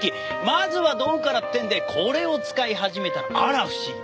まずは道具からってんでこれを使い始めたらあら不思議。